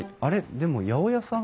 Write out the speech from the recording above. でも八百屋さん。